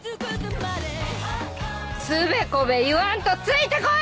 ・つべこべ言わんとついて来い！